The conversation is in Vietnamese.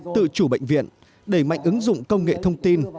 tự chủ bệnh viện đẩy mạnh ứng dụng công nghệ thông tin